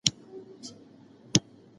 مطالعه د ژوند د ستونزو حل ته لارښونه کوي.